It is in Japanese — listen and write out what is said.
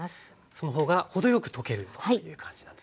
その方が程よく溶けるという感じなんですね。